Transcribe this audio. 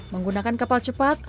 menggunakan kapal cepat